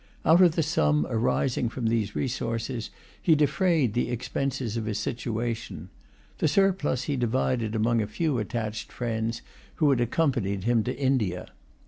Out of the sum arising from these resources, he defrayed the expenses of his situation. The surplus he divided among a few attached friends who had accompanied him to India.